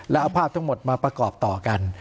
แล้วเอาภาพทั้งหมดมาประกอบต่อกัน